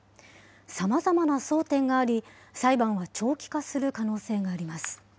さまざまな争点があり、裁判は長期化する可能性があります。